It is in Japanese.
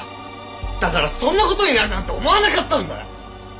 だからそんな事になるなんて思わなかったんだよ！